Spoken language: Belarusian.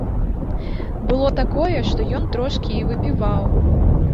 Было такое, што ён трошкі і выпіваў.